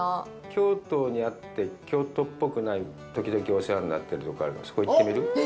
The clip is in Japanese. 京都にあって京都っぽくない時々お世話になっているところがあるから、そこ行ってみる？